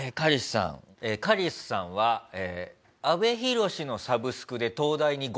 カリスさんは阿部寛のサブスクで東大に合格した人です。